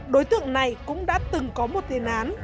đối tượng này cũng đã từng có một tiền án